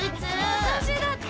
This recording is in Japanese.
私だって！